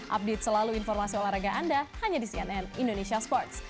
update selalu informasi olahraga anda hanya di cnn indonesia sports